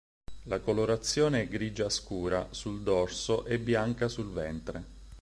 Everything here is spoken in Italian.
La colorazione è grigia scura sul dorso e bianca sul ventre.